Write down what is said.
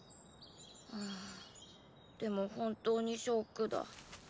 ああでも本当にショックだ。